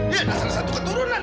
dia adalah satu keturunan